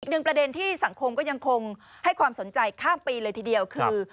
อีกหนึ่งประเด็นที่สังคมก็ยังคงให้ความสนใจข้ามปีเลยทีเดียวคือ